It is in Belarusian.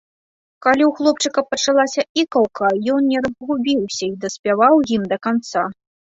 Калі ў хлопчыка пачалася ікаўка, ён не разгубіўся і даспяваў гімн да канца.